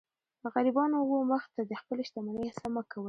د غریبانو و مخ ته د خپلي شتمنۍ حساب مه کوئ!